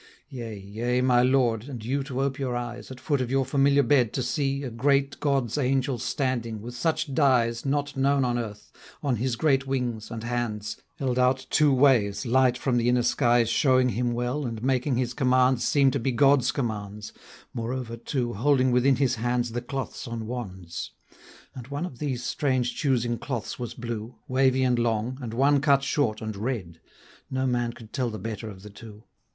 Yea, yea, my lord, and you to ope your eyes, At foot of your familiar bed to see A great God's angel standing, with such dyes, Not known on earth, on his great wings, and hands, Held out two ways, light from the inner skies Showing him well, and making his commands Seem to be God's commands, moreover, too, Holding within his hands the cloths on wands; And one of these strange choosing cloths was blue, Wavy and long, and one cut short and red; No man could tell the better of the two.